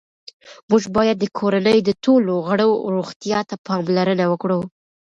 موږ باید د کورنۍ د ټولو غړو روغتیا ته پاملرنه وکړو